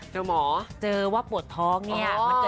หมอเจอว่าปวดท้องเนี่ย